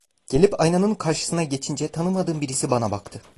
Gelip aynanın karşısına geçince, tanımadığım birisi bana baktı…